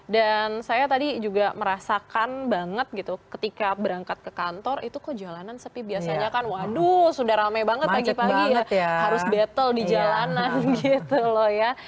dan saya tadi juga merasakan banget gitu ketika berangkat ke kantor itu kok jalanan sepi biasanya kan waduh sudah rame banget pagi pagi ya harus betel di jalanan gitu loh ya